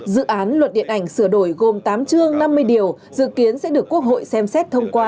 dự án luật điện ảnh sửa đổi gồm tám chương năm mươi điều dự kiến sẽ được quốc hội xem xét thông qua